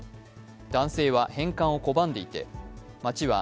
男性は返還を拒んでいて、町は